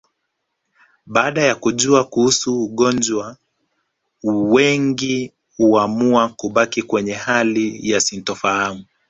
Baada ya kujua kuhusu ugonjwa wengi huamua kubaki kwenye hali ya sintofahamu